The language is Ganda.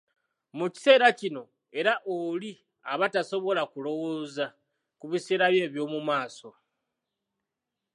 Mu kiseera kino era oli aba tasobola kulowooza ku biseera bye eby'omu maaso.